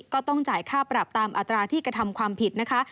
ก็ต้องจ่ายค่าปรับตามอัตราที่กระทำความผิดนะคะ